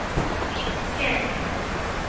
Tekkan.